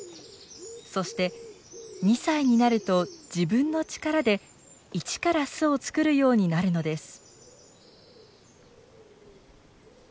そして２歳になると自分の力で一から巣を作るようになるのです。